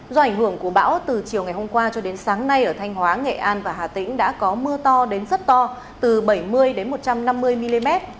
do ảnh hưởng của bão từ chiều ngày hôm qua cho đến sáng nay ở thanh hóa nghệ an và hà tĩnh đã có mưa to đến rất to từ bảy mươi đến một trăm năm mươi mm